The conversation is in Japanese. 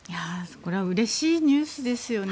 これはうれしいニュースですよね。